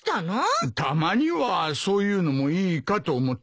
たまにはそういうのもいいかと思ってな。